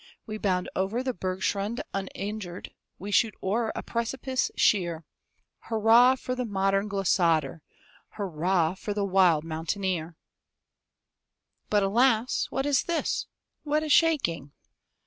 We bound o'er the bergschrund uninjured, We shoot o'er a precipice sheer; Hurrah, for the modern glissader! Hurrah, for the wild mountaineer! But, alas! what is this? what a shaking!